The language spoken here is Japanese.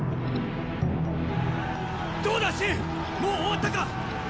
どうだ信もう終わったか⁉